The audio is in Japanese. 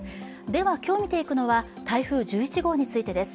では、今日見ていくのは台風１１号についてです。